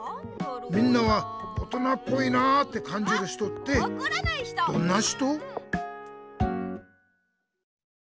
みんなは「大人っぽいな」ってかんじる人ってどんな人？